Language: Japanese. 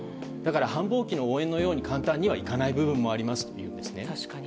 だから繁忙期の応援のように簡単にはいかない部分もありますということです。